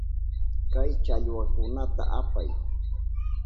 Kay challwakunata apay.